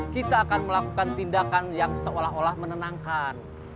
kita akan melakukan tindakan yang seolah olah menenangkan